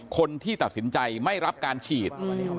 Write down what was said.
คนที่ตัดสินใจไม่รับการฉีด